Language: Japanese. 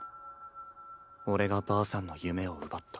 俺がばあさんの夢を奪った。